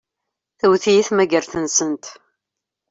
Tewwet-iyi tmagart-nsent.